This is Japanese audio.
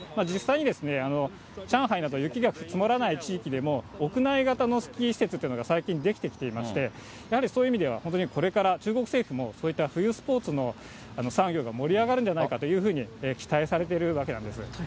実際に上海など、雪が積もらない地域でも、屋内型のスキー施設というのが最近出来てきていまして、やはりそういう意味では、本当にこれから、中国政府もそういった冬スポーツの産業が盛り上がるんじゃないかというふうに期待されているわけなんです。